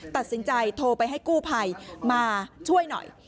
ตัดสินใจโทรไปให้กู้ภัยมาช่วยหน่อย